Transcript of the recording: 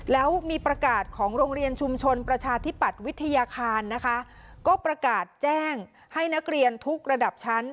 แล้วมีประกาศของโรงเรียนชุมชนประชาธิปัตย์วิทยาคารนะคะก็ประกาศแจ้งให้นักเรียนทุกระดับชั้น